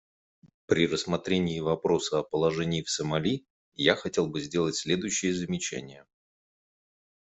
При рассмотрении вопроса о положении в Сомали я хотел бы сделать следующие замечания.